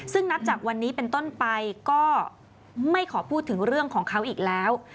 ซึ่งนับจากวันนี้เป็นต้นไปก็ไม่ขอพูดถึงเรื่องของเขาอีกแล้ว